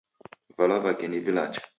Vala vake ni vilacha.